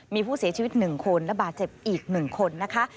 มีผู้เสียชีวิต๑คนและบาดเจ็บอีก๑คนนะคะ